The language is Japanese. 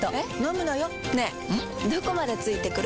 どこまで付いてくる？